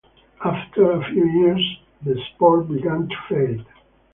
After a few years, the sport began to fade.